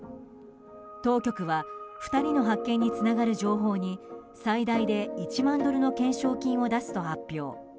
当局は２人の発見につながる情報に最大で１万ドルの懸賞金を出すと発表。